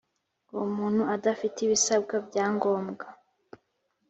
uwo muntu adafite ibisabwa bya ngombwa